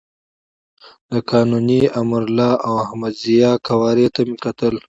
د قانوني، امرالله او احمد ضیاء قوارو ته مې کتل.